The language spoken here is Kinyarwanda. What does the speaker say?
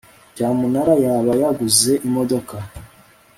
cyamunara yaba yaguze imodoka